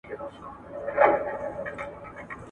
پر هر ځای به لکه ستوري ځلېدله.